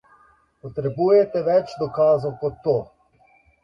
Potrebujete več dokazov kot to.